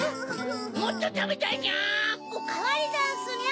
もっとたべたいにゃ！おかわりざんすにゃ！